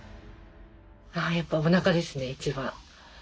あやっぱおなかですね一番。